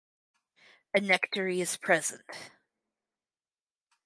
A nectary is present.